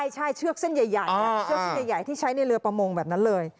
ใช่เชือกเส้นใหญ่ที่ใช้ในเรือประมงแบบนั้นเลย